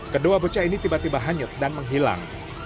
kedua bocah ini tiba tiba hanyut dan menghilang